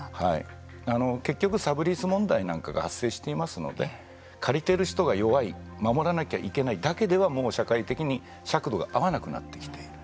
結局サブリス問題なんかが発生していますので借りている人が弱い守らなければいけないだけではだけではもう社会的に尺度が合わなくなってきている。